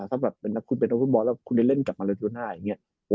สำหรับเพียงคุณเป็นนักฟุตบอลแล้วคุณได้เล่นกับมาราโนน่าอย่างเงี้ย